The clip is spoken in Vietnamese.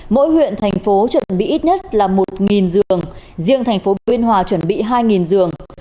mỗi huyện thành phố chuẩn bị ít nhất là một giường riêng thành phố biên hòa chuẩn bị hai giường